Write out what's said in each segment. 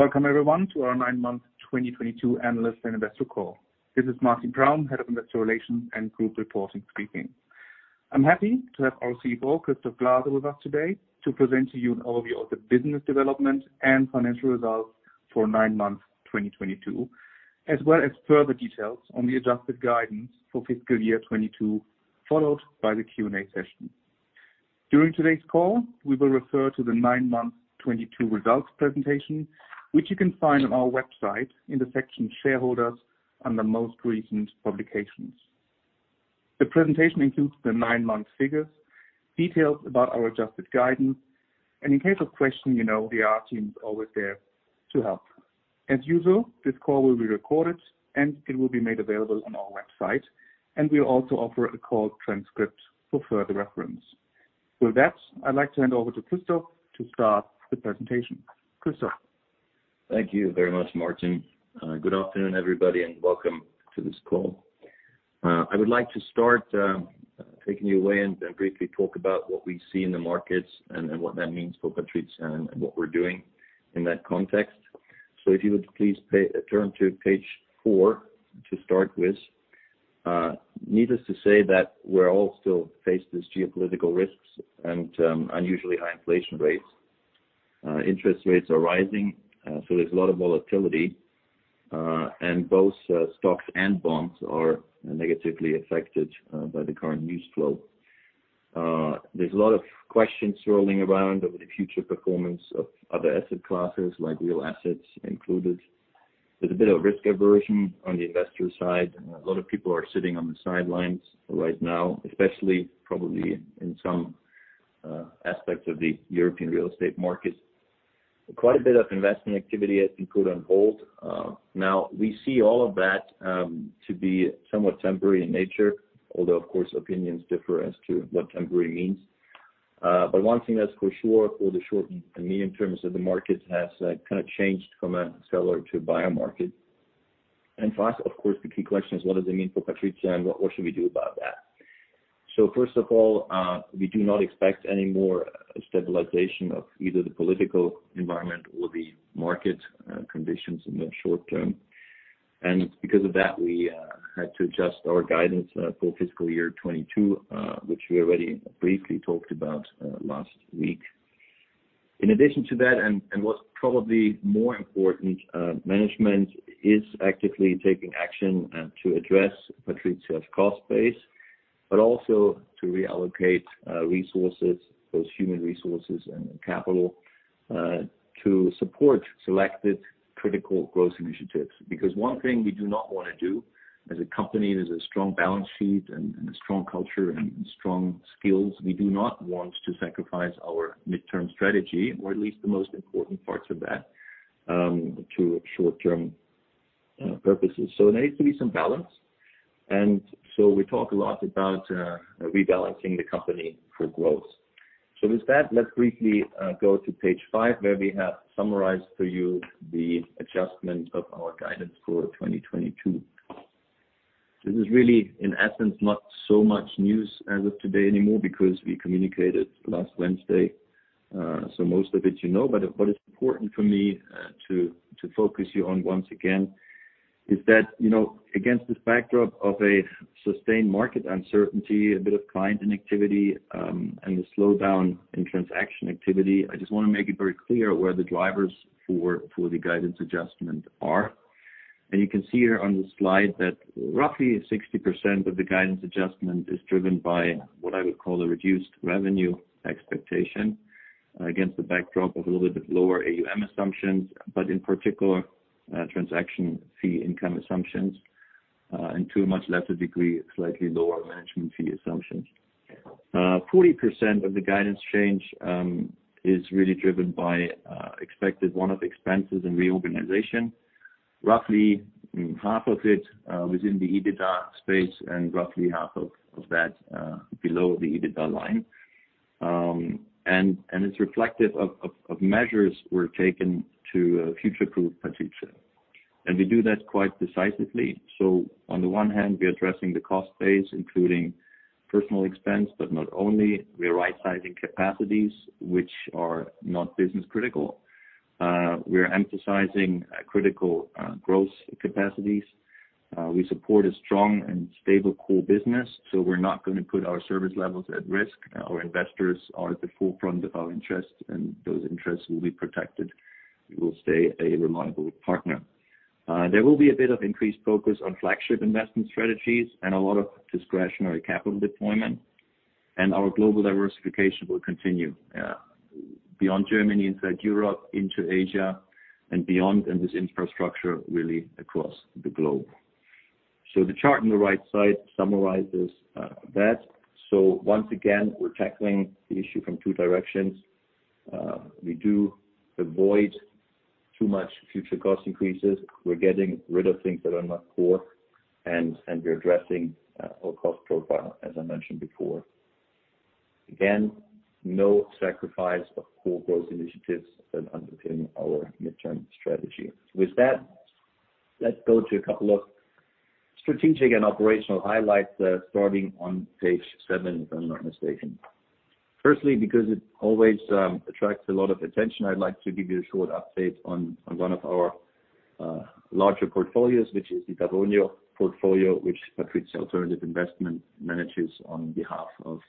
Welcome everyone to our nine-month 2022 analyst and investor call. This is Martin Praum, Head of Investor Relations and Group Reporting, speaking. I'm happy to have our CFO, Christoph Glaser, with us today to present to you an overview of the business development and financial results for nine months 2022, as well as further details on the adjusted guidance for fiscal year 2022, followed by the Q&A session. During today's call, we will refer to the nine-month 2022 results presentation, which you can find on our website in the section Shareholders under Most Recent Publications. The presentation includes the nine-month figures, details about our adjusted guidance, and in case of question, you know, the IR team is always there to help. As usual, this call will be recorded, and it will be made available on our website, and we'll also offer a call transcript for further reference. With that, I'd like to hand over to Christoph to start the presentation. Christoph? Thank you very much, Martin. Good afternoon, everybody, and welcome to this call. I would like to start by taking you through and briefly talk about what we see in the markets and what that means for PATRIZIA and what we're doing in that context. If you would please turn to page four to start with. Needless to say that we're all still faced with geopolitical risks and unusually high inflation rates. Interest rates are rising, so there's a lot of volatility, and both stocks and bonds are negatively affected by the current news flow. There's a lot of questions swirling around over the future performance of other asset classes, like real assets included. There's a bit of risk aversion on the investor side, and a lot of people are sitting on the sidelines right now, especially probably in some aspects of the European real estate market. Quite a bit of investment activity has been put on hold. Now we see all of that to be somewhat temporary in nature, although of course, opinions differ as to what temporary means. One thing that's for sure for the short and medium terms of the market has kind of changed from a seller to buyer market. For us, of course, the key question is what does it mean for PATRIZIA and what should we do about that? First of all, we do not expect any more stabilization of either the political environment or the market conditions in the short term. Because of that, we had to adjust our guidance for fiscal year 2022, which we already briefly talked about last week. In addition to that and what's probably more important, management is actively taking action to address PATRIZIA's cost base, but also to reallocate resources, both human resources and capital, to support selected critical growth initiatives. Because one thing we do not wanna do as a company that has a strong balance sheet and a strong culture and strong skills, we do not want to sacrifice our midterm strategy, or at least the most important parts of that, to short-term purposes. There needs to be some balance. We talk a lot about rebalancing the company for growth. With that, let's briefly go to page five, where we have summarized for you the adjustment of our guidance for 2022. This is really in essence not so much news as of today anymore because we communicated last Wednesday. Most of it you know, but what is important for me to focus you on once again is that you know, against this backdrop of a sustained market uncertainty, a bit of client inactivity, and the slowdown in transaction activity, I just wanna make it very clear where the drivers for the guidance adjustment are. You can see here on the slide that roughly 60% of the guidance adjustment is driven by what I would call a reduced revenue expectation against the backdrop of a little bit lower AUM assumptions, but in particular, transaction fee income assumptions, and to a much lesser degree, slightly lower management fee assumptions. Forty percent of the guidance change is really driven by expected one-off expenses and reorganization. Roughly half of it within the EBITDA space and roughly half of that below the EBITDA line. It's reflective of measures were taken to future-proof PATRIZIA. We do that quite decisively. On the one hand, we're addressing the cost base, including personnel expense, but not only. We're right-sizing capacities which are not business critical. We're emphasizing critical growth capacities. We support a strong and stable core business, so we're not gonna put our service levels at risk. Our investors are at the forefront of our interest, and those interests will be protected. We will stay a reliable partner. There will be a bit of increased focus on flagship investment strategies and a lot of discretionary capital deployment, and our global diversification will continue, beyond Germany, inside Europe, into Asia and beyond, and this infrastructure really across the globe. The chart on the right side summarizes that. Once again, we're tackling the issue from two directions. We do avoid too much future cost increases. We're getting rid of things that are not core and we're addressing our cost profile, as I mentioned before. Again, no sacrifice of core growth initiatives that underpin our midterm strategy. With that, let's go to strategic and operational highlights, starting on page seven, if I'm not mistaken. Firstly, because it always attracts a lot of attention, I'd like to give you a short update on one of our larger portfolios, which is the Dawonia portfolio, which PATRIZIA Alternative Investments manages on behalf of a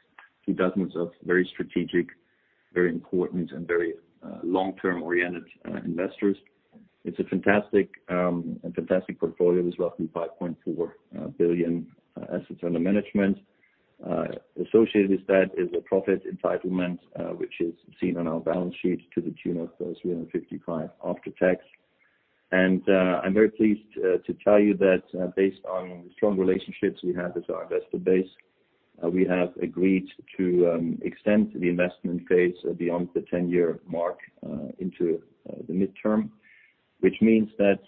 few dozen very strategic, very important, and very long-term oriented investors. It's a fantastic portfolio. It's roughly 5.4 billion assets under management. Associated with that is a profit entitlement, which is seen on our balance sheet to the tune of 355 after tax. I'm very pleased to tell you that, based on the strong relationships we have with our investor base, we have agreed to extend the investment phase beyond the ten-year mark into the midterm. Which means that,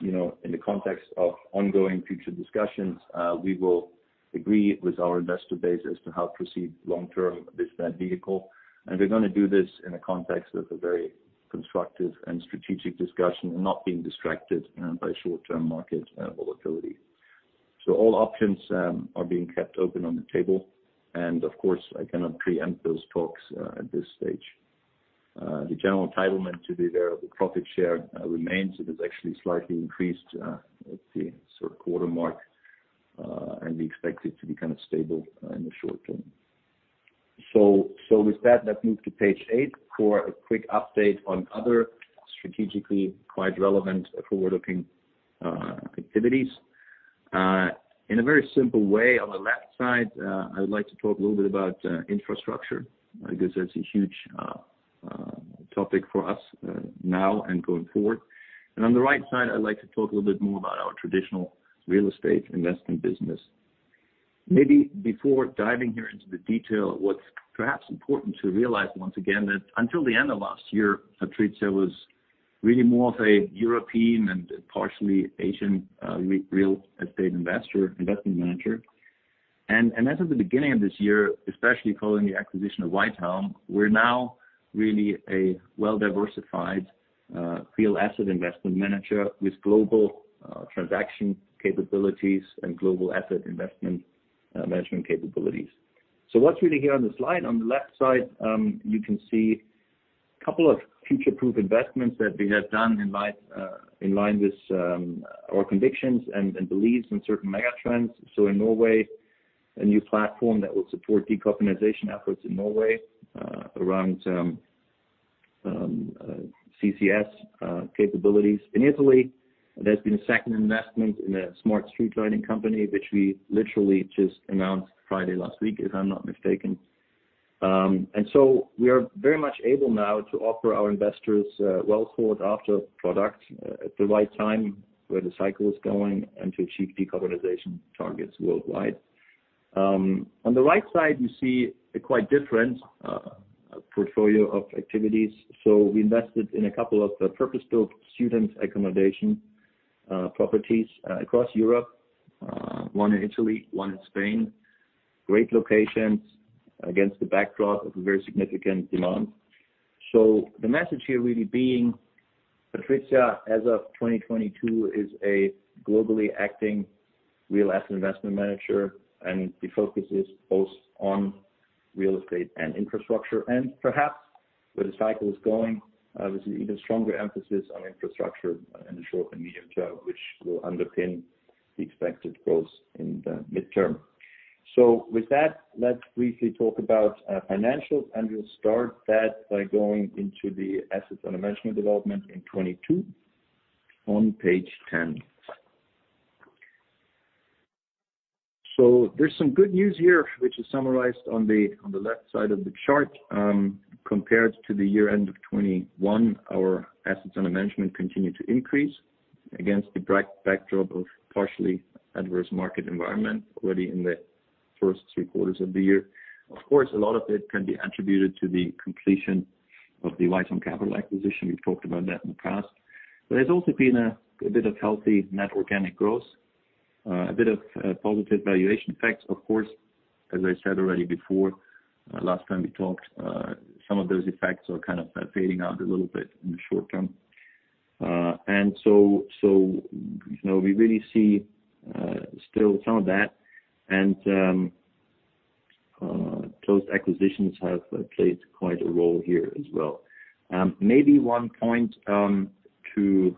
you know, in the context of ongoing future discussions, we will agree with our investor base as to how to proceed long-term with that vehicle. We're gonna do this in a context of a very constructive and strategic discussion, and not being distracted by short-term market volatility. All options are being kept open on the table, and of course, I cannot preempt those talks at this stage. The general entitlement to the variable profit share remains. It has actually slightly increased at the sort of quarter mark, and we expect it to be kind of stable in the short term. With that, let's move to page eight for a quick update on other strategically quite relevant forward-looking activities. In a very simple way on the left side, I would like to talk a little bit about infrastructure because that's a huge topic for us now and going forward. On the right side, I'd like to talk a little bit more about our traditional real estate investment business. Maybe before diving here into the detail, what's perhaps important to realize once again that until the end of last year, PATRIZIA was really more of a European and partially Asian real estate investor, investment manager. As of the beginning of this year, especially following the acquisition of Whitehelm, we're now really a well-diversified real asset investment manager with global transaction capabilities and global asset investment management capabilities. What's really here on the slide on the left side, you can see a couple of future-proof investments that we have done in line with our convictions and beliefs in certain mega trends. In Norway, a new platform that will support decarbonization efforts in Norway around CCS capabilities. In Italy, there's been a second investment in a smart street lighting company, which we literally just announced Friday last week, if I'm not mistaken. We are very much able now to offer our investors a well-sought after product at the right time, where the cycle is going and to achieve decarbonization targets worldwide. On the right side you see a quite different portfolio of activities. We invested in a couple of purpose-built student accommodation properties across Europe. One in Italy, one in Spain. Great locations against the backdrop of a very significant demand. The message here really being PATRIZIA, as of 2022, is a globally acting real asset investment manager, and the focus is both on real estate and infrastructure. Perhaps where the cycle is going, there's an even stronger emphasis on infrastructure in the short and medium term, which will underpin the expected growth in the midterm. With that, let's briefly talk about financials, and we'll start that by going into the assets under management development in 2022 on page 10. There's some good news here, which is summarized on the left side of the chart. Compared to the year end of 2021, our assets under management continue to increase against the bright backdrop of partially adverse market environment already in the first three quarters of the year. Of course, a lot of it can be attributed to the completion of the Whitehelm Capital acquisition. We've talked about that in the past. There's also been a bit of healthy net organic growth. A bit of positive valuation effects, of course. As I said already before, last time we talked, some of those effects are kind of fading out a little bit in the short term. You know, we really see still some of that and those acquisitions have played quite a role here as well. Maybe one point to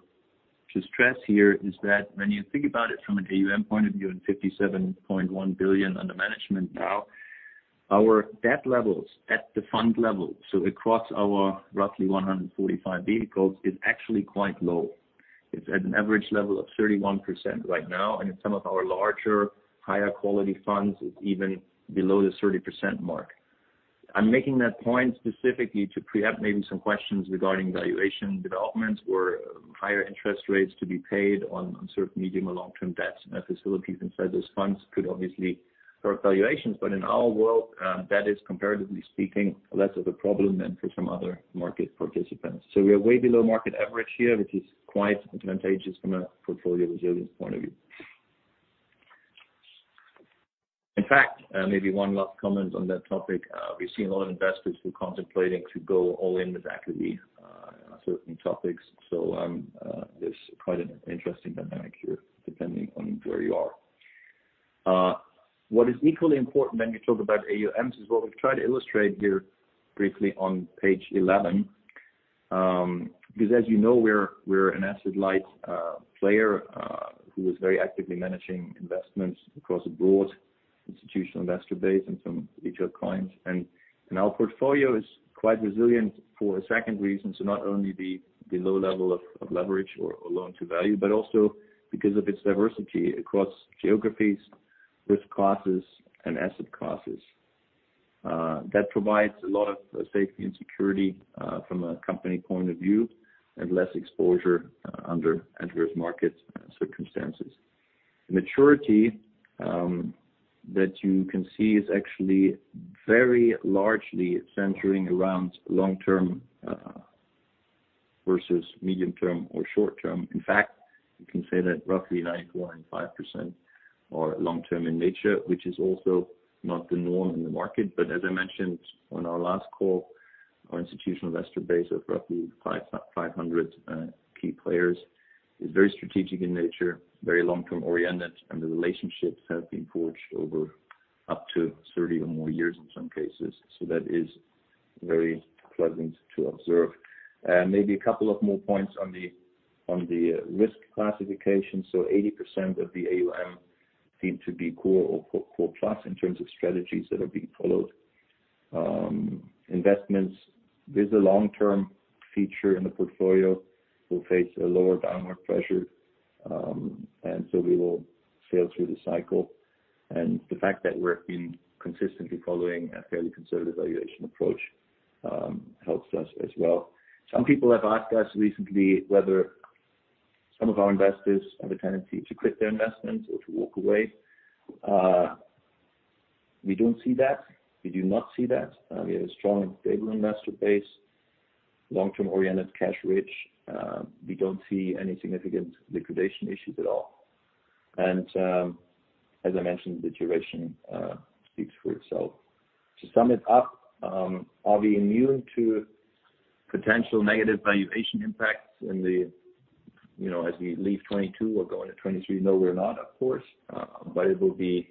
stress here is that when you think about it from an AUM point of view and 57.1 billion under management now, our debt levels at the fund level, so across our roughly 145 vehicles, is actually quite low. It's at an average level of 31% right now, and in some of our larger higher quality funds, it's even below the 30% mark. I'm making that point specifically to preempt maybe some questions regarding valuation developments or higher interest rates to be paid on certain medium or long-term debts and facilities inside those funds, could obviously hurt valuations. In our world, that is comparatively speaking, less of a problem than for some other market participants. We are way below market average here, which is quite advantageous from a portfolio resilience point of view. In fact, maybe one last comment on that topic. We've seen a lot of investors who are contemplating to go all in with equity, on certain topics. There's quite an interesting dynamic here, depending on where you are. What is equally important when you talk about AUMs as well, we've tried to illustrate here briefly on page 11, because as you know, we're an asset light player who is very actively managing investments across a broad institutional investor base and some retail clients. Our portfolio is quite resilient for a second reason. Not only the low level of leverage or loan to value, but also because of its diversity across geographies, risk classes and asset classes. That provides a lot of safety and security from a company point of view and less exposure under adverse markets circumstances. The maturity that you can see is actually very largely centering around long-term versus medium-term or short-term. In fact, you can say that roughly 94.5% are long-term in nature, which is also not the norm in the market. As I mentioned on our last call, our institutional investor base of roughly 500 key players is very strategic in nature, very long-term oriented, and the relationships have been forged over up to 30 or more years in some cases. That is very pleasant to observe. Maybe a couple of more points on the risk classification. 80% of the AUM seem to be core or core plus in terms of strategies that are being followed. Investments with the long-term feature in the portfolio will face a lower downward pressure, and so we will sail through the cycle. The fact that we're being consistently following a fairly conservative valuation approach helps us as well. Some people have asked us recently whether some of our investors have a tendency to quit their investments or to walk away. We don't see that. We do not see that. We have a strong stable investor base, long-term oriented, cash rich. We don't see any significant liquidation issues at all. As I mentioned, the duration speaks for itself. To sum it up, are we immune to potential negative valuation impacts in the, you know, as we leave 2022 or go into 2023? No, we're not, of course, but it will be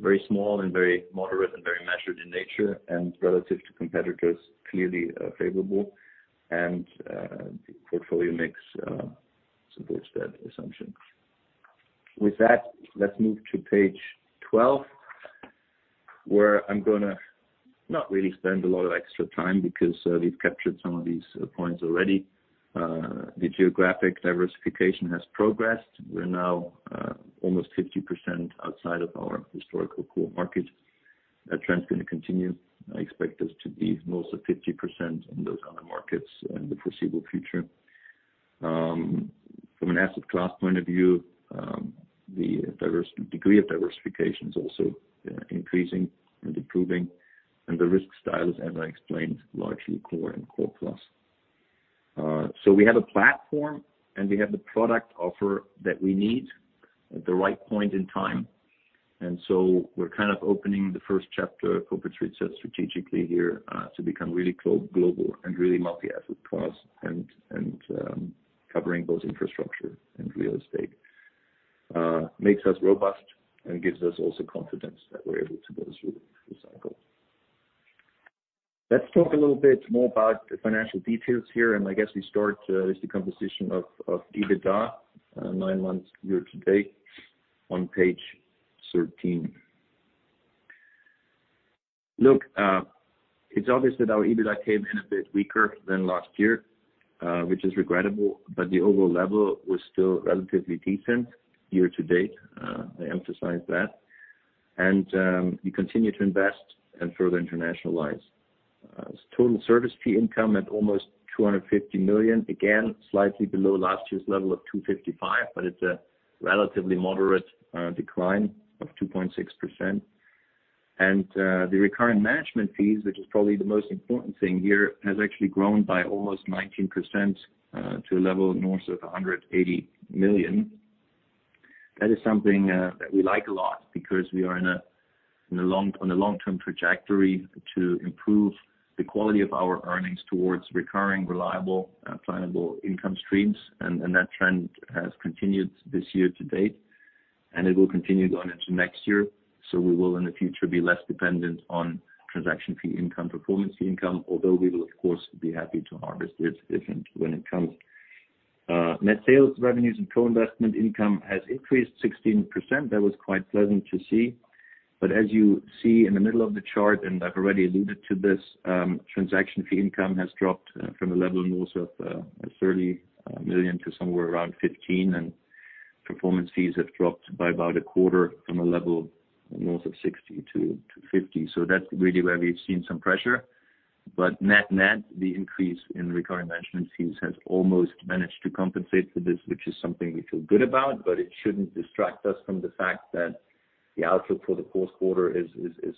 very small and very moderate and very measured in nature and relative to competitors, clearly, favorable. The portfolio mix supports that assumption. With that, let's move to page 12, where I'm gonna not really spend a lot of extra time because we've captured some of these points already. The geographic diversification has progressed. We're now almost 50% outside of our historical core market. That trend's gonna continue. I expect us to be mostly 50% in those other markets in the foreseeable future. From an asset class point of view, the degree of diversification is also increasing and improving, and the risk style is, as I explained, largely core and core plus. We have a platform, and we have the product offer that we need at the right point in time. We're kind of opening the first chapter of repositioning strategically here, to become really global and really multi-asset class and, covering both infrastructure and real estate, makes us robust and gives us also confidence that we're able to go through the cycle. Let's talk a little bit more about the financial details here, and I guess we start with the composition of EBITDA, nine months year to date on page 13. Look, it's obvious that our EBITDA came in a bit weaker than last year, which is regrettable, but the overall level was still relatively decent year to date. I emphasize that. We continue to invest and further internationalize. Total service fee income at almost 250 million, again, slightly below last year's level of 255 million, but it's a relatively moderate decline of 2.6%. The recurring management fees, which is probably the most important thing here, has actually grown by almost 19%, to a level north of 180 million. That is something that we like a lot because we are on a long-term trajectory to improve the quality of our earnings towards recurring, reliable, plannable income streams. That trend has continued this year to date, and it will continue going into next year. We will in the future be less dependent on transaction fee income, performance fee income although we will of course be happy to harvest it if and when it comes. Net sales revenues and co-investment income has increased 16%. That was quite pleasant to see. As you see in the middle of the chart, and I've already alluded to this, transaction fee income has dropped from a level north of 30 million to somewhere around 15 million, and performance fees have dropped by about a quarter from a level north of 60 million-50 million. That's really where we've seen some pressure. Net-net, the increase in recurring management fees has almost managed to compensate for this, which is something we feel good about, but it shouldn't distract us from the fact that the outlook for the fourth quarter is challenging.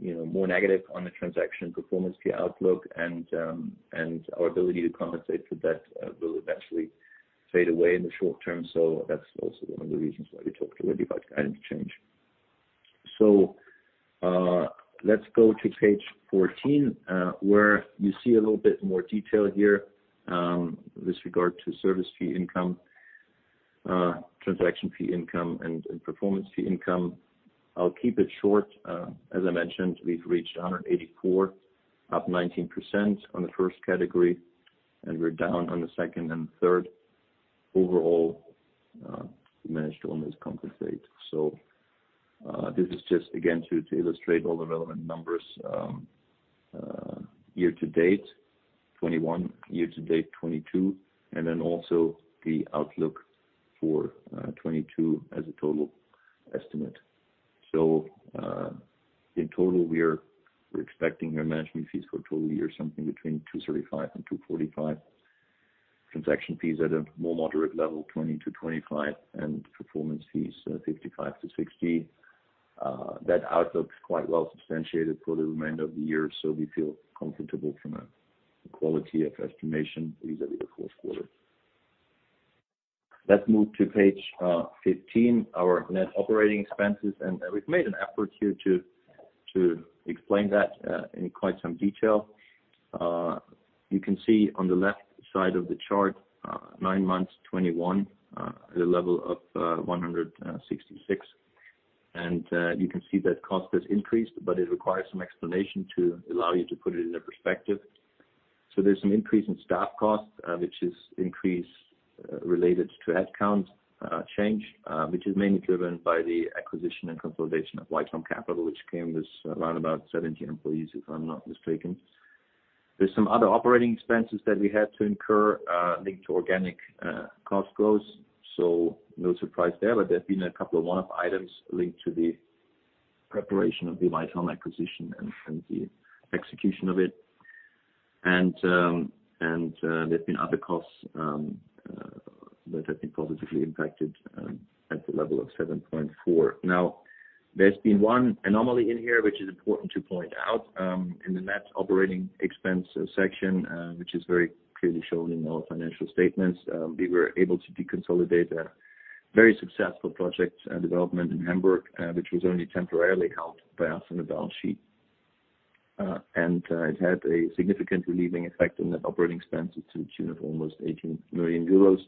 You know, more negative on the transaction performance fee outlook and our ability to compensate for that will eventually fade away in the short term. That's also one of the reasons why we talked already about guidance change. Let's go to page 14, where you see a little bit more detail here, with regard to service fee income, transaction fee income, and performance fee income. I'll keep it short. As I mentioned, we've reached 184, up 19% on the first category, and we're down on the second and third. Overall, we managed to almost compensate. This is just again to illustrate all the relevant numbers, year to date 2021, year to date 2022, and then also the outlook for 2022 as a total estimate. In total, we're expecting our management fees for total year something between 235 and 245. Transaction fees at a more moderate level, 20-25, and performance fees, 55-60. That outlook is quite well substantiated for the remainder of the year, so we feel comfortable from a quality of estimation vis-à-vis the fourth quarter. Let's move to page 15, our net operating expenses. We've made an effort here to explain that in quite some detail. You can see on the left side of the chart, nine months 2021, at a level of 166. You can see that cost has increased, but it requires some explanation to allow you to put it into perspective. There's an increase in staff costs, which is related to headcount change, which is mainly driven by the acquisition and consolidation of Whitehelm Capital, which came with around about 17 employees, if I'm not mistaken. There's some other operating expenses that we had to incur, linked to organic cost growth, no surprise there. There's been a couple of one-off items linked to the preparation of the Whitehelm acquisition and the execution of it. There's been other costs that have been positively impacted at the level of 7.4. Now, there's been one anomaly in here which is important to point out in the net operating expense section, which is very clearly shown in our financial statements. We were able to deconsolidate a very successful project development in Hamburg, which was only temporarily held by us on the balance sheet. It had a significant relieving effect on the operating expenses to the tune of almost 18 million euros.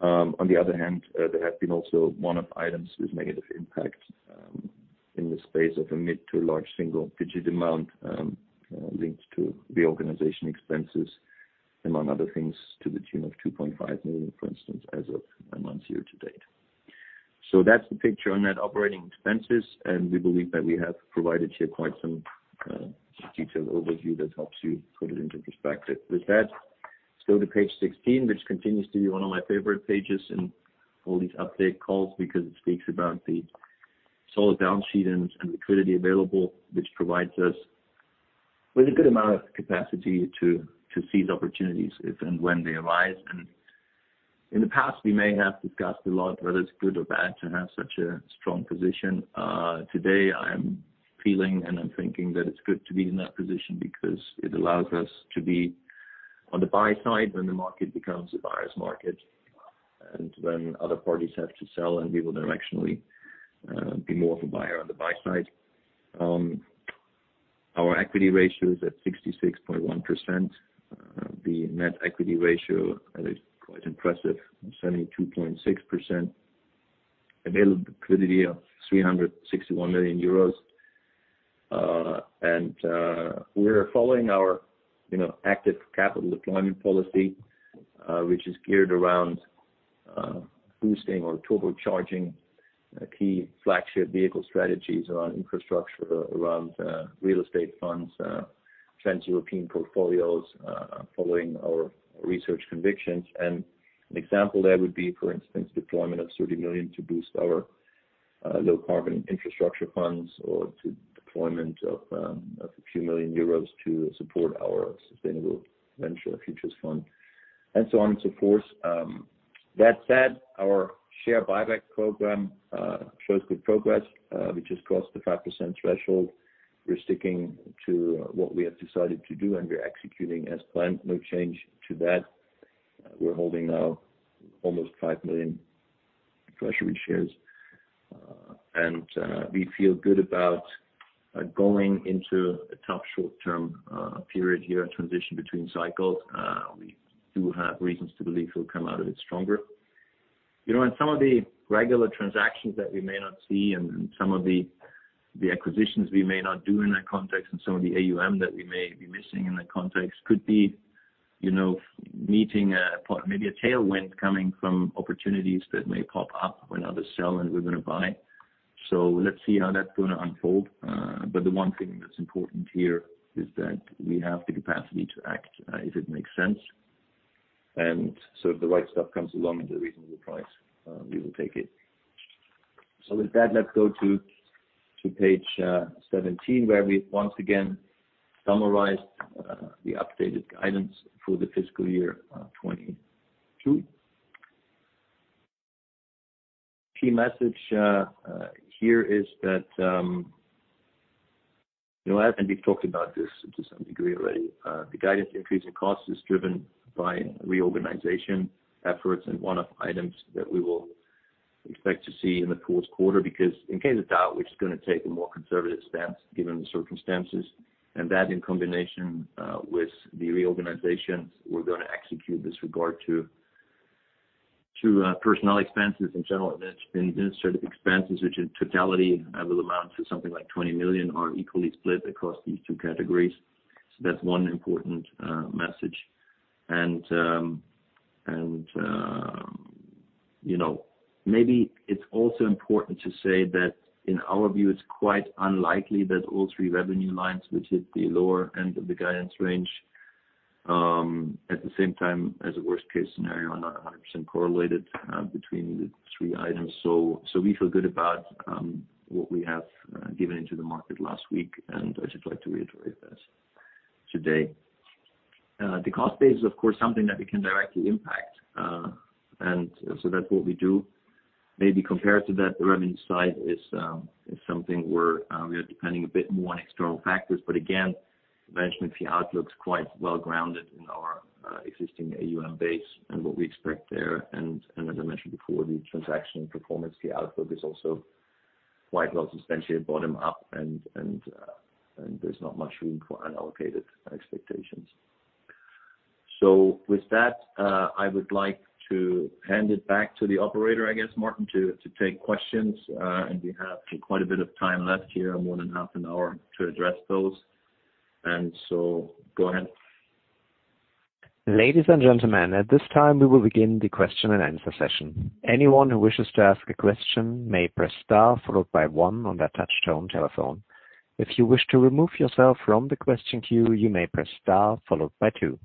On the other hand, there have been also one-off items with negative impact in the space of a mid- to large single-digit amount, linked to the organization expenses, among other things, to the tune of 2.5 million, for instance, as of nine months year to date. That's the picture on net operating expenses, and we believe that we have provided here quite some detailed overview that helps you put it into perspective. With that, let's go to page 16, which continues to be one of my favorite pages in all these update calls because it speaks about the solid balance sheet and liquidity available, which provides us with a good amount of capacity to seize opportunities if and when they arise. In the past, we may have discussed a lot whether it's good or bad to have such a strong position. Today I'm feeling and I'm thinking that it's good to be in that position because it allows us to be on the buy side when the market becomes a buyer's market. When other parties have to sell and we will directionally be more of a buyer on the buy side. Our equity ratio is at 66.1%. The net equity ratio is quite impressive, at 72.6%. Available liquidity of 361 million euros. We're following our, you know, active capital deployment policy, which is geared around boosting or turbocharging key flagship vehicle strategies around infrastructure, around real estate funds, TransEuropean portfolios, following our research convictions. An example there would be, for instance, deployment of 30 million to boost our Low Carbon Infrastructure funds or deployment of a few million Euros to support our Sustainable Ventures Future fund. So on and so forth. That said, our share buyback program shows good progress, which has crossed the 5% threshold. We're sticking to what we have decided to do, and we're executing as planned. No change to that. We're holding now almost 5 million treasury shares. We feel good about going into a tough short-term period here, a transition between cycles. We do have reasons to believe we'll come out of it stronger. You know, and some of the regular transactions that we may not see and some of the acquisitions we may not do in that context and some of the AUM that we may be missing in that context could be, you know, maybe a tailwind coming from opportunities that may pop up when others sell, and we're gonna buy. Let's see how that's gonna unfold. The one thing that's important here is that we have the capacity to act, if it makes sense. If the right stuff comes along at a reasonable price, we will take it. With that, let's go to page 17, where we once again summarize the updated guidance for the fiscal year 2022. Key message here is that, you know, as Martin talked about this to some degree already, the guidance increase in cost is driven by reorganization efforts and one-off items that we will expect to see in the fourth quarter because in case of doubt, we're just gonna take a more conservative stance given the circumstances. That in combination with the reorganization we're gonna execute with regard to personnel expenses in general, G&A expenses, which in totality will amount to something like 20 million are equally split across these two categories. That's one important message. You know, maybe it's also important to say that in our view it's quite unlikely that all three revenue lines which hit the lower end of the guidance range at the same time as a worst case scenario are not 100% correlated between the three items. So we feel good about what we have given into the market last week, and I just like to reiterate that today. The cost base is of course something that we can directly impact. That's what we do. Maybe compared to that, the revenue side is something we are depending a bit more on external factors, but again, management fee outlook is quite well grounded in our existing AUM base and what we expect there. As I mentioned before, the transaction performance fee outlook is also quite well substantiated bottom up and there's not much room for unallocated expectations. With that, I would like to hand it back to the operator, I guess, Martin, to take questions. We have quite a bit of time left here, more than half an hour to address those. Go ahead. Ladies and gentlemen, at this time we will begin the question and answer session. Anyone who wishes to ask a question may press star followed by one on their touchtone telephone. If you wish to remove yourself from the question queue, you may press star followed by two.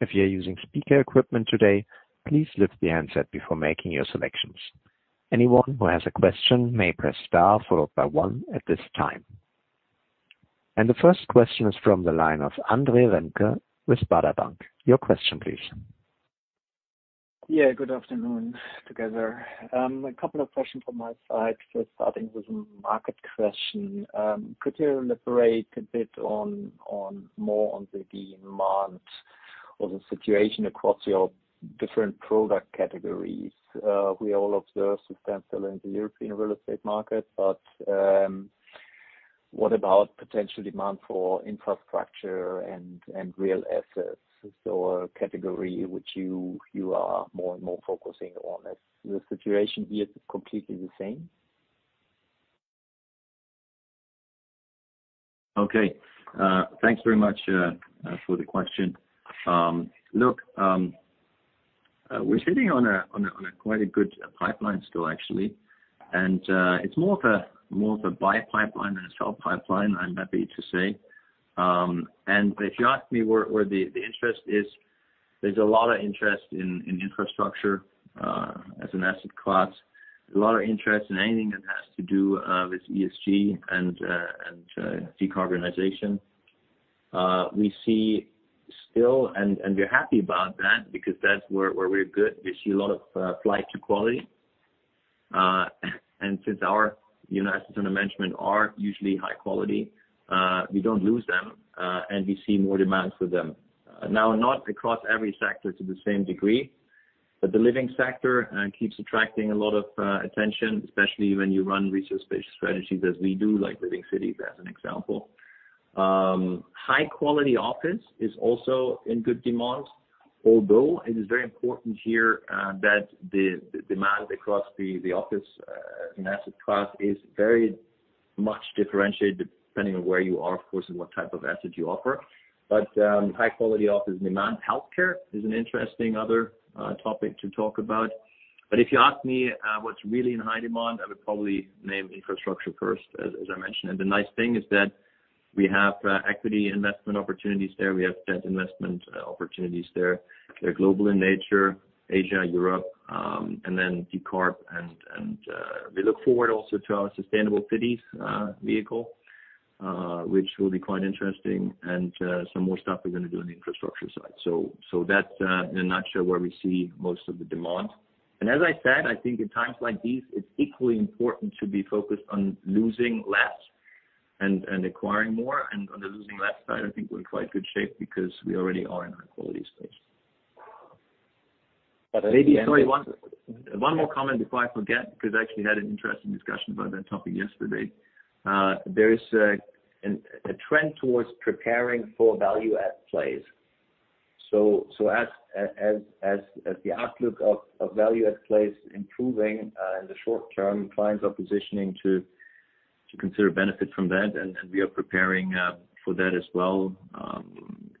If you're using speaker equipment today, please lift the handset before making your selections. Anyone who has a question may press star followed by one at this time. The first question is from the line of Andre Remke with Baader Bank. Your question please. Yeah, good afternoon together. A couple of questions from my side. Starting with market question, could you elaborate a bit more on the demand or the situation across your different product categories? We all observe substantial inflation in the European real estate market, but what about potential demand for infrastructure and real assets? A category which you are more and more focusing on. Is the situation here completely the same? Okay. Thanks very much for the question. Look, we're sitting on a quite a good pipeline still actually. It's more of a buy pipeline than a sell pipeline, I'm happy to say. If you ask me where the interest is, there's a lot of interest in infrastructure as an asset class. A lot of interest in anything that has to do with ESG and decarbonization. We see still, and we're happy about that because that's where we're good. We see a lot of flight to quality. Since our you know assets under management are usually high quality, we don't lose them, and we see more demands for them. Now, not across every sector to the same degree, but the living sector keeps attracting a lot of attention, especially when you run resource-based strategies as we do, like Living Cities as an example. High-quality office is also in good demand, although it is very important here that the demand across the office as an asset class is very much differentiated depending on where you are, of course, and what type of asset you offer. High-quality office demand. Healthcare is an interesting other topic to talk about. If you ask me what's really in high demand, I would probably name infrastructure first as I mentioned. The nice thing is that we have equity investment opportunities there. We have debt investment opportunities there. They're global in nature, Asia, Europe, and then decarb and we look forward also to our Sustainable Communities vehicle, which will be quite interesting and some more stuff we're gonna do on the infrastructure side. That's in a nutshell where we see most of the demand. As I said, I think in times like these it's equally important to be focused on losing less and acquiring more. On the losing less side, I think we're in quite good shape because we already are in high quality space. But maybe- Sorry, one more comment before I forget, because I actually had an interesting discussion about that topic yesterday. There is a trend towards preparing for value add plays. As the outlook of value add plays improving in the short term, clients are positioning to consider benefit from that. We are preparing for that as well,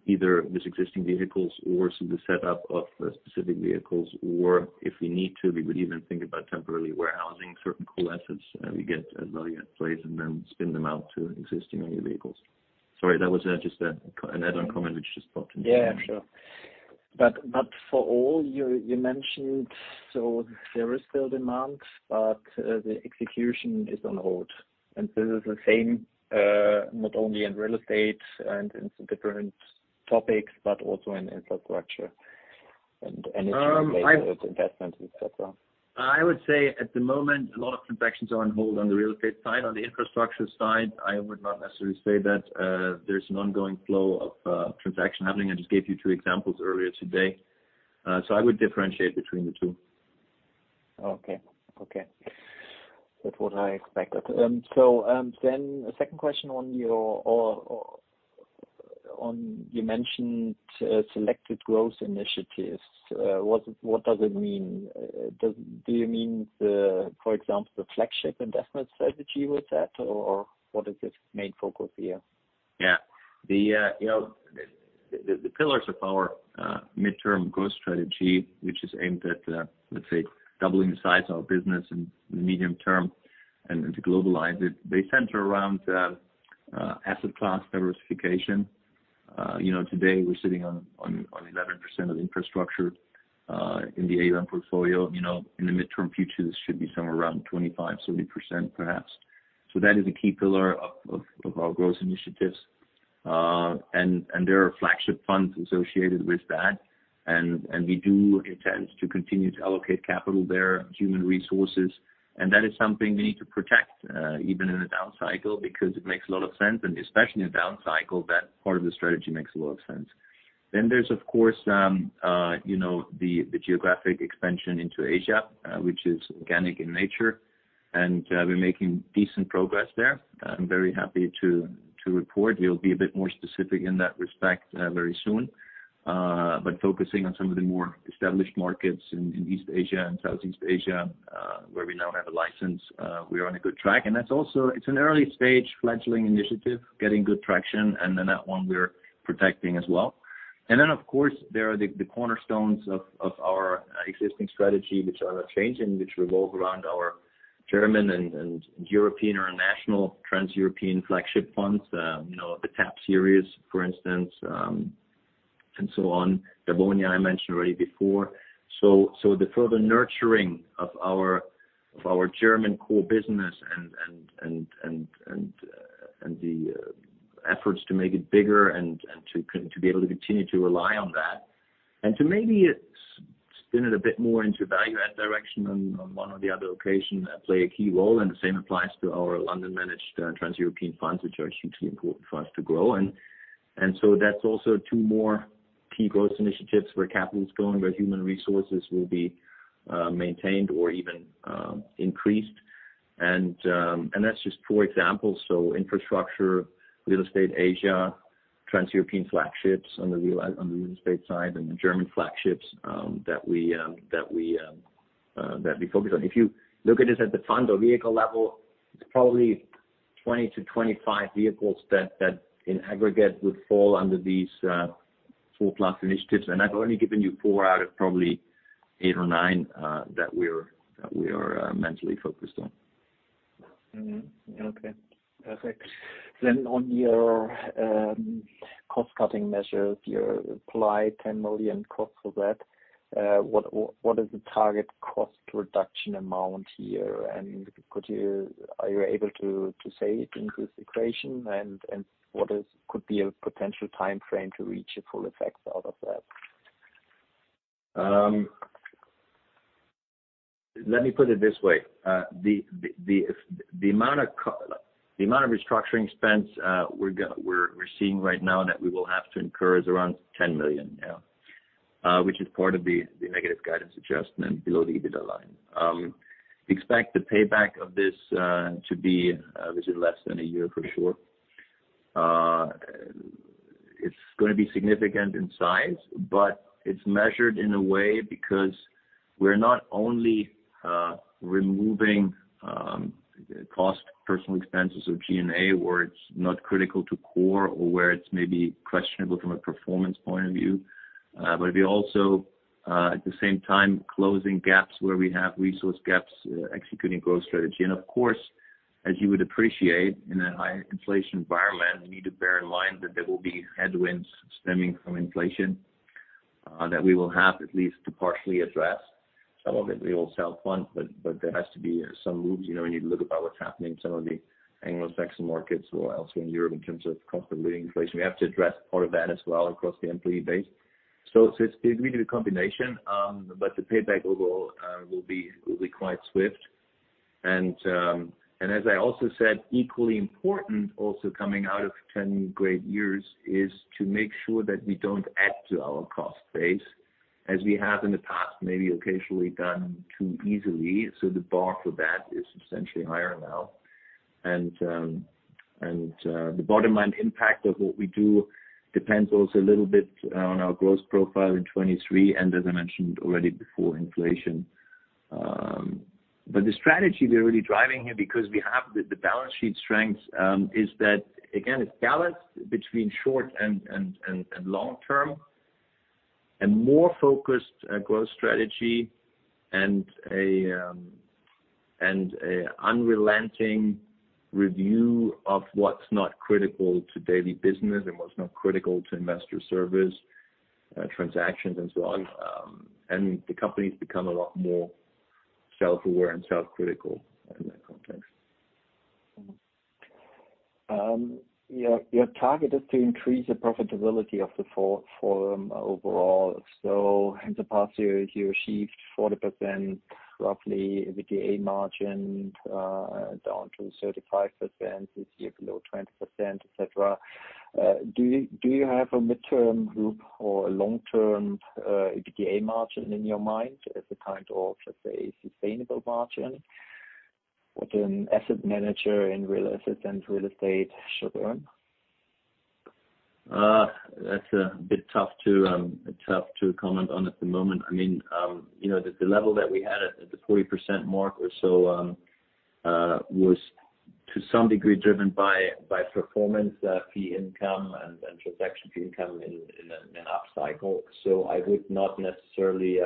either with existing vehicles or through the setup of specific vehicles, or if we need to, we would even think about temporarily warehousing certain core assets we get as value add plays and then spin them out to existing vehicles. Sorry, that was just an add-on comment which just popped into my mind. Yeah, sure. But for all you mentioned, so there is still demand, but the execution is on hold. This is the same, not only in real estate and in different topics, but also in infrastructure and if you relate it with investment, et cetera. I would say at the moment, a lot of transactions are on hold on the real estate side. On the infrastructure side, I would not necessarily say that, there's an ongoing flow of transaction happening. I just gave you two examples earlier today. I would differentiate between the two. Okay. That's what I expected. A second question on, or on, you mentioned selected growth initiatives. What does it mean? Do you mean the, for example, the flagship investment strategy with that? What is the main focus here? Yeah. The pillars of our midterm growth strategy, which is aimed at, let's say, doubling the size of our business in the medium term and to globalize it. They center around asset class diversification. You know, today we're sitting on 11% of infrastructure in the AUM portfolio. You know, in the midterm future, this should be somewhere around 25%-30% perhaps. That is a key pillar of our growth initiatives. There are flagship funds associated with that. We do intend to continue to allocate capital there, human resources. That is something we need to protect even in a down cycle because it makes a lot of sense, and especially in a down cycle, that part of the strategy makes a lot of sense. There's of course, you know, the geographic expansion into Asia, which is organic in nature, and we're making decent progress there. I'm very happy to report. We'll be a bit more specific in that respect, very soon. Focusing on some of the more established markets in East Asia and Southeast Asia, where we now have a license, we are on a good track. That's also an early-stage fledgling initiative getting good traction, and then that one we're protecting as well. Of course, there are the cornerstones of our existing strategy which are not changing, which revolve around our German and European or national TransEuropean flagship funds. You know, the TransEuropean series, for instance, and so on. Dawonia I mentioned already before. The further nurturing of our German core business and the efforts to make it bigger and to be able to continue to rely on that. To maybe spin it a bit more into value add direction on one or the other location play a key role, and the same applies to our London-managed TransEuropean funds, which are hugely important for us to grow. That's also two more key growth initiatives where capital's going, where human resources will be maintained or even increased. That's just four examples. Infrastructure, real estate, Asia, TransEuropean flagships on the real estate side, and the German flagships that we focus on. If you look at this at the fund or vehicle level, it's probably 20-25 vehicles that in aggregate would fall under these four plus initiatives. I've only given you four out of probably eight or nine that we are mentally focused on. Mm-hmm. Okay. Perfect. On your cost-cutting measures, your implied 10 million cost for that, what is the target cost reduction amount here? And are you able to say it in this equation? And what could be a potential timeframe to reach a full effect out of that? Let me put it this way. The amount of restructuring expense we're seeing right now that we will have to incur is around 10 million. Yeah. Which is part of the negative guidance adjustment below the EBITDA line. Expect the payback of this to be less than a year for sure. It's gonna be significant in size, but it's measured in a way because we're not only removing cost personnel expenses of G&A where it's not critical to core or where it's maybe questionable from a performance point of view. We also at the same time closing gaps where we have resource gaps executing growth strategy. Of course, as you would appreciate in a high inflation environment, we need to bear in mind that there will be headwinds stemming from inflation that we will have at least to partially address. Some of it we will sell funds, but there has to be some moves. You know, when you look about what's happening in some of the Anglo-Saxon markets or elsewhere in Europe in terms of cost of living inflation, we have to address part of that as well across the employee base. It's really the combination, but the payback will be quite swift. And as I also said, equally important also coming out of ten great years is to make sure that we don't add to our cost base as we have in the past, maybe occasionally done too easily. The bar for that is substantially higher now. The bottom-line impact of what we do depends also a little bit on our growth profile in 2023, and as I mentioned already before inflation. The strategy we're really driving here because we have the balance sheet strength is that again, it's balanced between short and long term and more focused growth strategy and a unrelenting review of what's not critical to daily business and what's not critical to investor service, transactions and so on. The company's become a lot more self-aware and self-critical in that context. Your target is to increase the profitability of the platform overall. In the past year, you achieved 40% roughly EBITDA margin, down to 35% this year below 20%, etc. Do you have a mid-term goal or a long-term EBITDA margin in your mind as a kind of, let's say, sustainable margin? What an asset manager in real estate should earn. That's a bit tough to comment on at the moment. You know, the level that we had at the 40% mark or so was to some degree driven by performance fee income and transaction fee income in an up cycle. I would not necessarily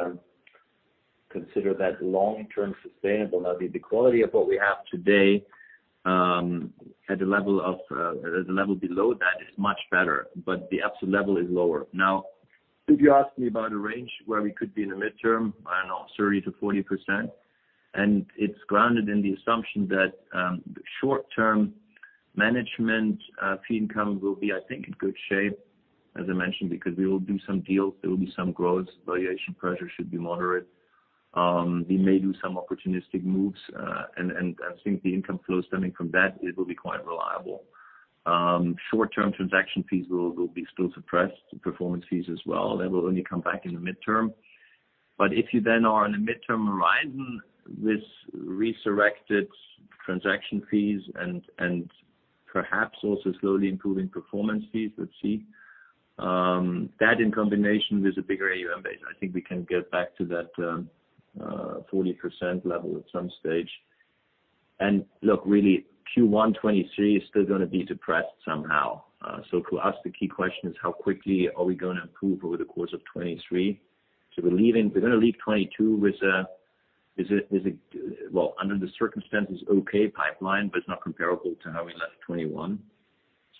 consider that long-term sustainable. The quality of what we have today at the level below that is much better, but the absolute level is lower. If you ask me about a range where we could be in the medium term, I don't know, 30%-40%. It's grounded in the assumption that short-term management fee income will be, I think, in good shape, as I mentioned, because we will do some deals, there will be some growth. Valuation pressure should be moderate. We may do some opportunistic moves, and I think the income flow stemming from that it will be quite reliable. Short-term transaction fees will be still suppressed. Performance fees as well. They will only come back in the midterm. If you then are in the midterm horizon with resurrected transaction fees and perhaps also slowly improving performance fees, let's see. That in combination with the bigger AUM base, I think we can get back to that 40% level at some stage. Look, really Q1 2023 is still gonna be suppressed somehow. To ask the key question is how quickly are we gonna improve over the course of 2023? We're gonna leave 2022 with a, is it, well, under the circumstances, okay pipeline, but it's not comparable to how we left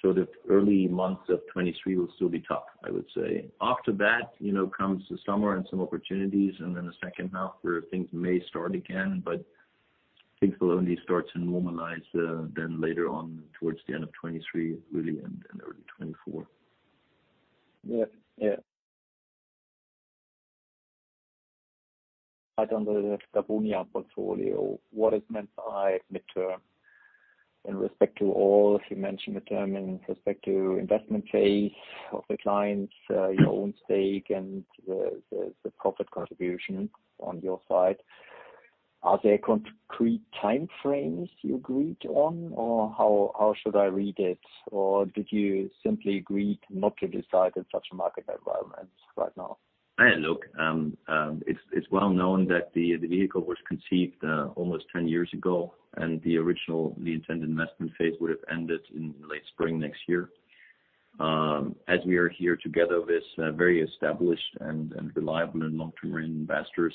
2021. The early months of 2023 will still be tough, I would say. After that, you know, comes the summer and some opportunities, and then the second half where things may start again, but things will only start to normalize, then later on towards the end of 2023, really end in early 2024. Yeah. Yeah. I don't know the Dawonia portfolio. What is meant by midterm in respect to all? You mentioned midterm in respect to investment phase of the clients, your own stake and the profit contribution on your side. Are there concrete time frames you agreed on? Or how should I read it? Or did you simply agree not to decide in such a market environment right now? Yeah, look, it's well known that the vehicle was conceived almost 10 years ago, and the intended investment phase would have ended in late spring next year. As we are here together with very established and reliable and long-term investors,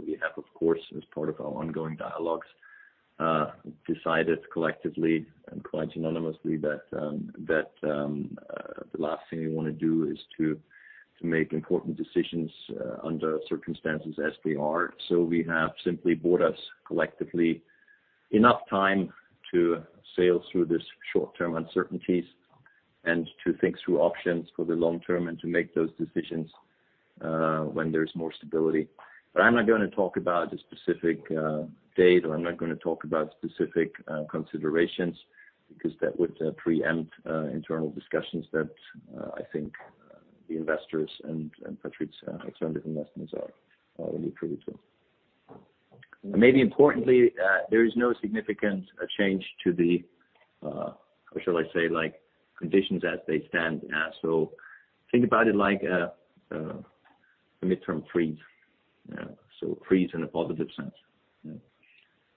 we have, of course, as part of our ongoing dialogues, decided collectively and quite unanimously that the last thing we wanna do is to make important decisions under circumstances as they are. We have simply bought us collectively enough time to sail through this short-term uncertainties and to think through options for the long term and to make those decisions when there is more stability. I'm not gonna talk about a specific date, or I'm not gonna talk about specific considerations because that would preempt internal discussions that I think the investors and PATRIZIA's extended investments are really privy to. Maybe importantly, there is no significant change to the, or shall I say, like conditions as they stand now. Think about it like a midterm freeze. Freeze in a positive sense. Yeah.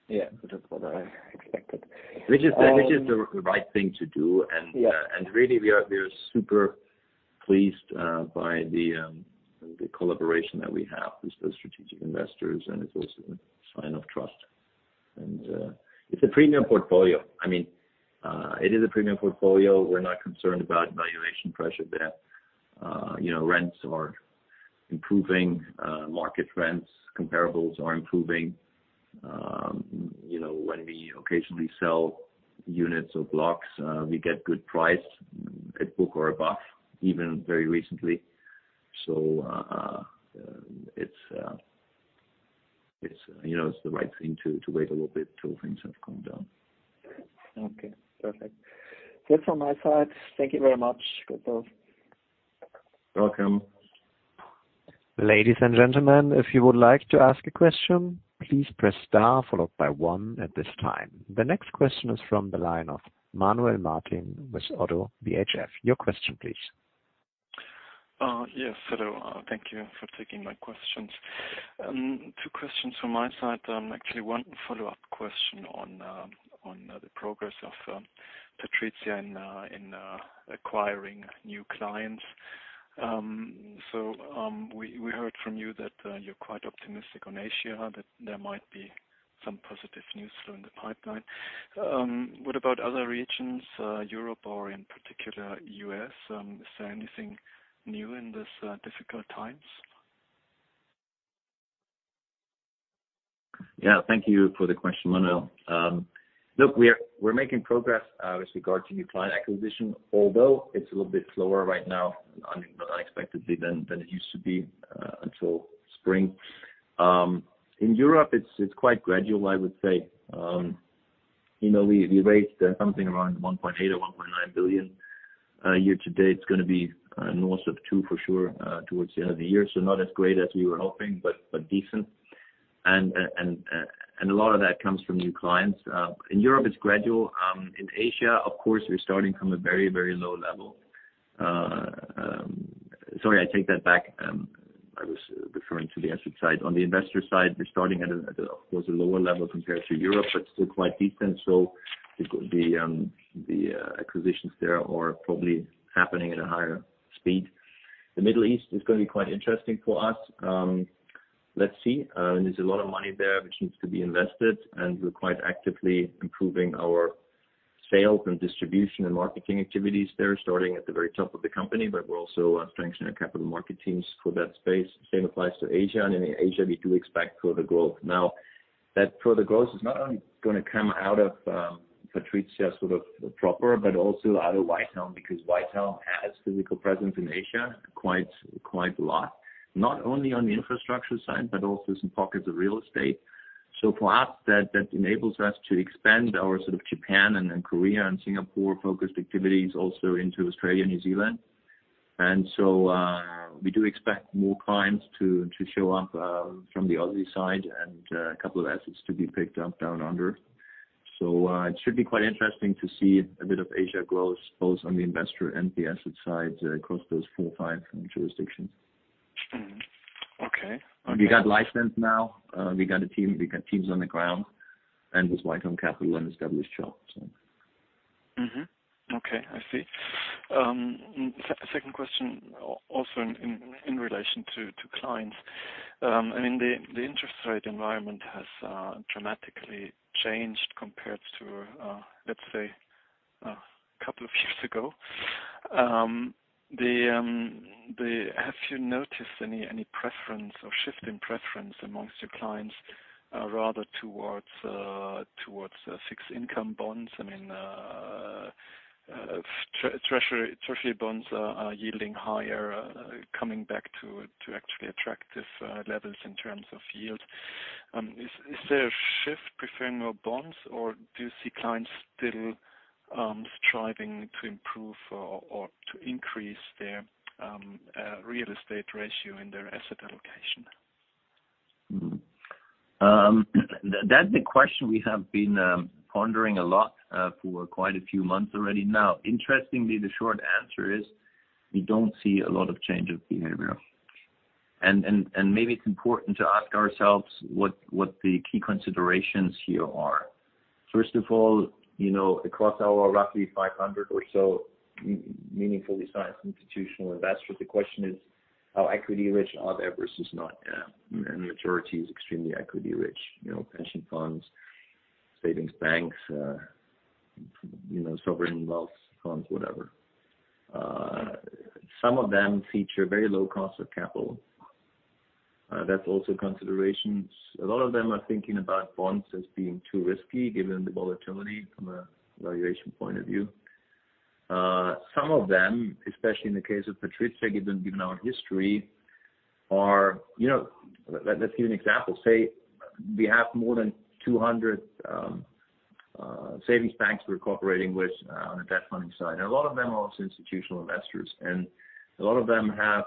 Yeah. That is what I expected. Which is the right thing to do. Yeah. And really we are super pleased by the collaboration that we have with those strategic investors, and it's also a sign of trust. It's a premium portfolio. I mean, it is a premium portfolio. We're not concerned about valuation pressure there. You know, rents are improving, market rents, comparables are improving. You know, when we occasionally sell units or blocks, we get good price at book or above, even very recently. It's you know, it's the right thing to wait a little bit till things have calmed down. Okay. Perfect. That's all my side. Thank you very much. Good talk. Welcome. Ladies and gentlemen, if you would like to ask a question, please press star followed by one at this time. The next question is from the line of Manuel Martin with ODDO BHF. Your question please. Yes. Hello. Thank you for taking my questions. Two questions from my side. Actually one follow-up question on the progress of PATRIZIA in acquiring new clients. So, we heard from you that you're quite optimistic on Asia, that there might be some positive news flow in the pipeline. What about other regions, Europe or in particular U.S.? Is there anything new in this difficult times? Yeah. Thank you for the question, Manuel. Look, we're making progress with regard to new client acquisition, although it's a little bit slower right now, unexpectedly than it used to be until spring. In Europe, it's quite gradual, I would say. You know, we raised something around 1.8 billion or 1.9 billion. Year-to-date it's gonna be north of 2 billion for sure towards the end of the year. Not as great as we were hoping, but decent. A lot of that comes from new clients. In Europe, it's gradual. In Asia, of course, we're starting from a very low level. Sorry, I take that back. I was referring to the asset side. On the investor side, we're starting at a lower level compared to Europe, but still quite decent. Of course, it could be the acquisitions there are probably happening at a higher speed. The Middle East is gonna be quite interesting for us. Let's see. There's a lot of money there which needs to be invested, and we're quite actively improving our sales and distribution and marketing activities there, starting at the very top of the company, but we're also strengthening our capital market teams for that space. Same applies to Asia. In Asia, we do expect further growth. Now, that further growth is not only gonna come out of PATRIZIA proper, but also out of Whitehelm, because Whitehelm has physical presence in Asia quite a lot, not only on the infrastructure side, but also some pockets of real estate. For us, that enables us to expand our sort of Japan and Korea and Singapore-focused activities also into Australia, New Zealand. We do expect more clients to show up from the Aussie side and a couple of assets to be picked up down under. It should be quite interesting to see a bit of Asia growth both on the investor and the asset side across those four or five jurisdictions. Mm-hmm. Okay. We got licensed now. We got a team. We got teams on the ground and with Whitehelm Capital and established shops. Okay. I see. Second question also in relation to clients. I mean, the interest rate environment has dramatically changed compared to, let's say, couple of years ago. Have you noticed any preference or shift in preference amongst your clients, rather towards fixed income bonds? I mean, treasury bonds are yielding higher, coming back to actually attractive levels in terms of yield. Is there a shift preferring more bonds or do you see clients still striving to improve or to increase their real estate ratio in their asset allocation? That's a question we have been pondering a lot for quite a few months already now. Interestingly, the short answer is we don't see a lot of change of behavior. Maybe it's important to ask ourselves what the key considerations here are. First of all, you know, across our roughly 500 or so meaningfully sized institutional investors, the question is how equity-rich are they versus not? The majority is extremely equity-rich. You know, pension funds, savings banks, you know, sovereign wealth funds, whatever. Some of them feature very low cost of capital. That's also considerations. A lot of them are thinking about bonds as being too risky given the volatility from a valuation point of view. Some of them, especially in the case of PATRIZIA, given our history are. You know, let's give an example. Say we have more than 200 savings banks we're cooperating with on the debt funding side. A lot of them are also institutional investors, and a lot of them have,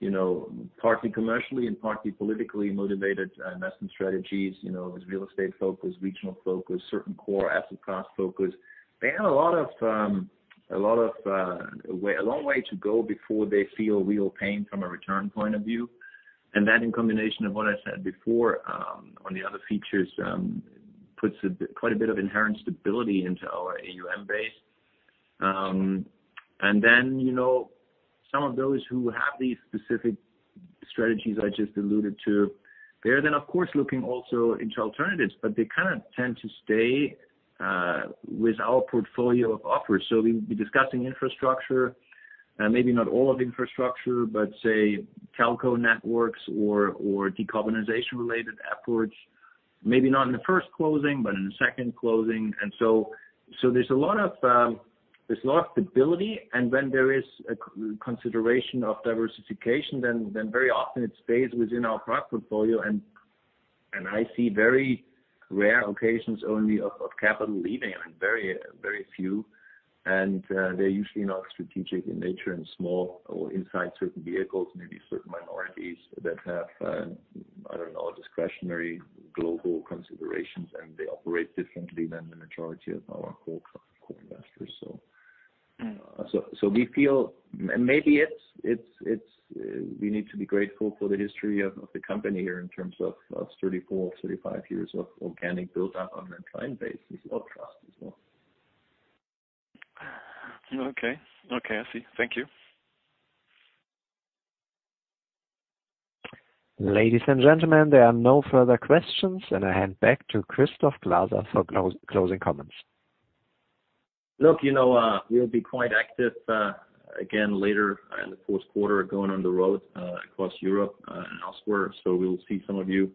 you know, partly commercially and partly politically motivated investment strategies, you know, as real estate focus, regional focus, certain core asset class focus. They have a long way to go before they feel real pain from a return point of view. That in combination of what I said before on the other features puts quite a bit of inherent stability into our AUM base. You know, some of those who have these specific strategies I just alluded to, they're then of course looking also into alternatives, but they kinda tend to stay with our portfolio of offers. So we'll be discussing infrastructure, maybe not all of infrastructure, but say telco networks or decarbonization related efforts. Maybe not in the first closing, but in the second closing. So there's a lot of stability. When there is a consideration of diversification, then very often it stays within our product portfolio and I see very rare occasions only of capital leaving and very few. They're usually not strategic in nature and small or inside certain vehicles, maybe certain minorities that have, I don't know, discretionary global considerations, and they operate differently than the majority of our core investors so. Mm-hmm. We feel maybe it's we need to be grateful for the history of the company here in terms of 34-35 years of organic build up on that client base. It's a lot of trust as well. Okay. Okay, I see. Thank you. Ladies and gentlemen, there are no further questions, and I hand back to Christoph Glaser for closing comments. Look, you know, we'll be quite active, again later in the fourth quarter going on the road, across Europe, and elsewhere. We'll see some of you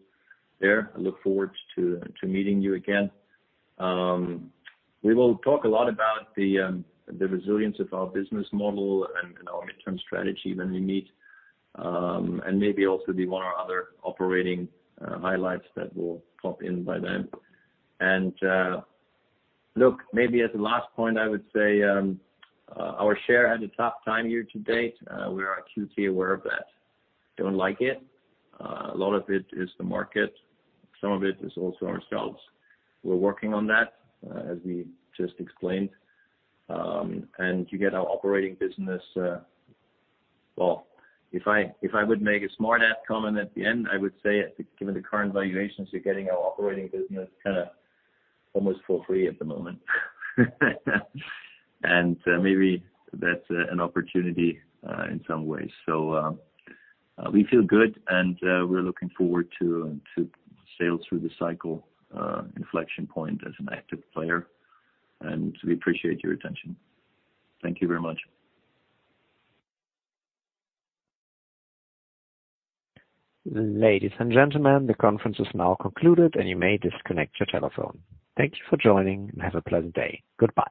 there. I look forward to meeting you again. We will talk a lot about the resilience of our business model and our midterm strategy when we meet. Maybe also the one or other operating highlights that will pop in by then. Look, maybe as a last point, I would say, our share had a tough time year to date. We are acutely aware of that. Don't like it. A lot of it is the market. Some of it is also ourselves. We're working on that, as we just explained. You get our operating business. Well, if I would make a smart ass comment at the end, I would say given the current valuations, you're getting our operating business kinda almost for free at the moment. Maybe that's an opportunity in some ways. We feel good, and we're looking forward to sail through the cycle inflection point as an active player. We appreciate your attention. Thank you very much. Ladies and gentlemen, the conference is now concluded, and you may disconnect your telephone. Thank you for joining, and have a pleasant day. Goodbye.